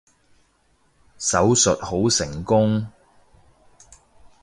手術好成功